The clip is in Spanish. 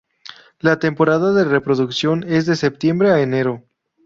La temporada de reproducción es de septiembre a enero.